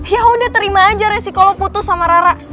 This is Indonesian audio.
yaudah terima aja resiko lu putus sama rara